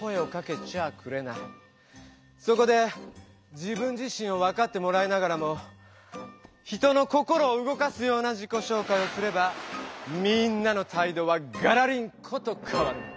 そこで自分自しんを分かってもらいながらも人の心をうごかすような自己紹介をすればみんなのたいどはガラリンコとかわるの。